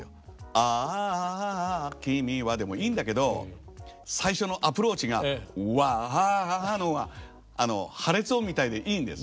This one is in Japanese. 「あああああ君は」でもいいんだけど最初のアプローチが「わああ」の方が破裂音みたいでいいんです。